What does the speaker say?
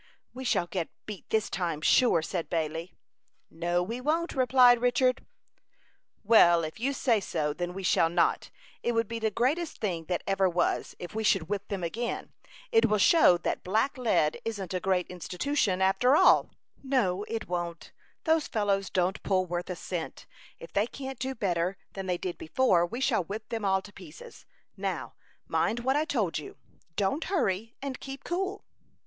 "We shall get beat this time, sure," said Bailey. "No, we won't," replied Richard. "Well, if you say so, then we shall not. It would be the greatest thing that ever was, if we should whip them again. It will show that black lead isn't a great institution, after all." "No, it won't. Those fellows don't pull worth a cent. If they can't do better than they did before, we shall whip them all to pieces. Now, mind what I told you; don't hurry, and keep cool."